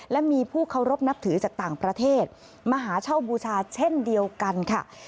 และมีผู้เคารพนับถือจากต่างประเทศมาหาเช่าบูชาเช่นเดียวกันค่ะ